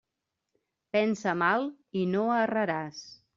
Pensa mal i no erraràs.